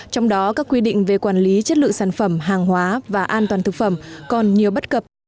trong đó các quy định về quản lý chất lượng sản phẩm hàng hóa và an toàn thực phẩm còn nhiều bất cập